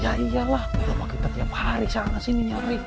ya iyalah kita tiap hari sangat sini nyari